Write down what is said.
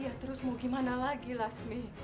ya terus mau gimana lagi lasmi